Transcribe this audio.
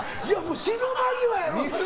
死ぬ間際やろ！